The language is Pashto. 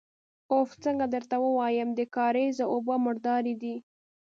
اوف! څنګه درته ووايم، د کارېزه اوبه مردارې دي.